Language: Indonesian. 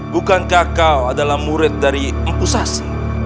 bukankah kau adalah murid dari empu sasi